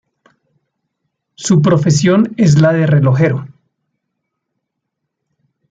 Su profesión es la de relojero.